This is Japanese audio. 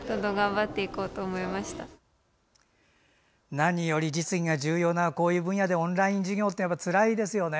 何より実技が重要なこういう分野でオンライン授業というのはやっぱりつらいですよね。